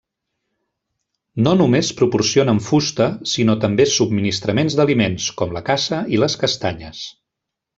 No només proporcionen fusta, sinó també subministraments d'aliments, com la caça i les castanyes.